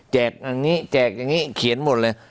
อย่างนี้แจกอย่างนี้เขียนหมดเลย